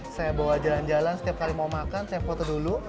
saya bawa jalan jalan setiap kali mau makan saya foto dulu